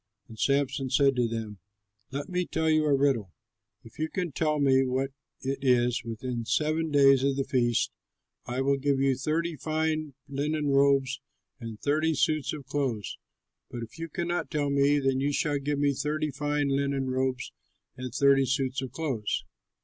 And Samson said to them, "Let me now tell you a riddle. If you can tell me what it is within the seven days of the feast, I will give you thirty fine linen robes and thirty suits of clothes; but if you cannot tell me, then you shall give me thirty fine linen robes and thirty suits of clothes."